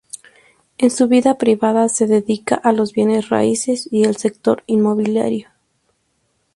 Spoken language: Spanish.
En su vida privada se dedica a los Bienes Raíces y el sector Inmobiliario.